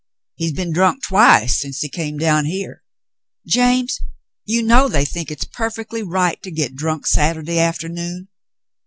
He's been drunk twice since he came down here. James, you know they think it's perfectly right to get drunk Saturday afternoon."